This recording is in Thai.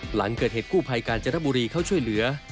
หลังเกิดเหตุกู้ภัยกาญจนบุรีเข้าช่วยเหลือ